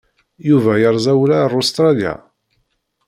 Yuba yerza ula ar Ustṛalya?